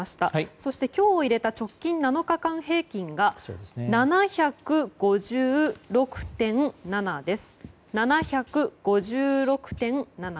そして今日を入れた直近７日間平均が７５６．７です。